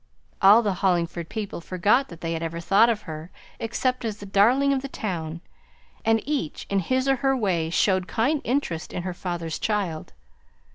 All the Hollingford people forgot that they had ever thought of her except as a darling of the town; and each in his or her way showed kind interest in her father's child.